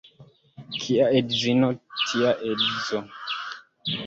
Kia edzino, tia edzo.